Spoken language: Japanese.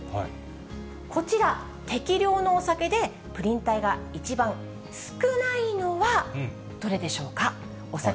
こちら、適量のお酒でプリン体が一番少ないのはどれでしょうか？